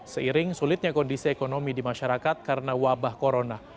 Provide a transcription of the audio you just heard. seiring sulitnya kondisi ekonomi di masyarakat karena wabah corona